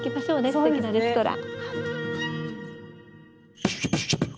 すてきなレストラン。